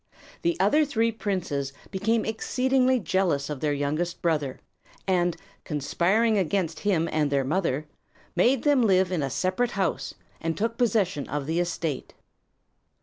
The other three princes became exceedingly jealous of their youngest brother, and, conspiring against him and their mother, made them live in a separate house, and took possession of the estate.